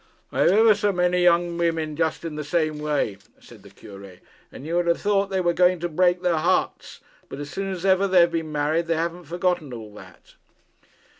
'I have ever so many young women just in the same way,' said the Cure, 'and you would have thought they were going to break their hearts; but as soon as ever they have been married, they have forgotten all that.'